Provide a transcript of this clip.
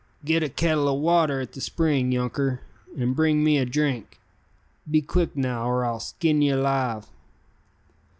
"Git a kettle o' water at the spring, younker, an' bring me a drink! Be quick, now, er I'll skin ye alive!"